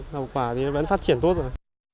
hậu quả thì vẫn phát triển tốt rồi